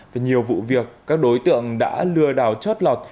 và nhiều vụ việc các đối tượng đã lừa đảo chót lọt